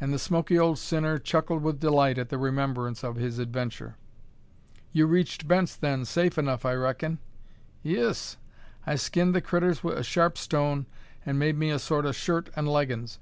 And the smoky old sinner chuckled with delight at the remembrance of his adventure. "You reached Bent's then safe enough, I reckin?" "'Ee es. I skinned the critters wi' a sharp stone, an' made me a sort o' shirt an' leggins.